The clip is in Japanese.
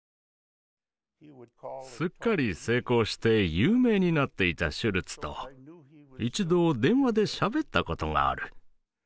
すっかり成功して有名になっていたシュルツと一度電話でしゃべったことがある。